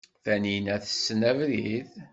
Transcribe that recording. Taninna tessen abrid?